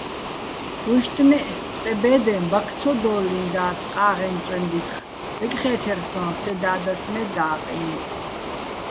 უჲშტნეჸ, წყე ბე́დეჼ ბაქ ცო დო́ლლინდა́ს ყა́ღეჼ წვენდითხ, ბეკხე́თერ სო́ჼ სე და́დას მე და́ყიჼ.